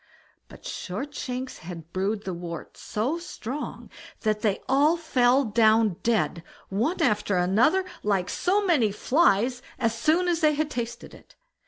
But Shortshanks had brewed the wort so strong that they all fell down dead, one after another, like so many flies, as soon as they had tasted it.